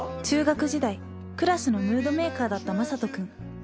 中学時代クラスのムードメーカーだったまさと君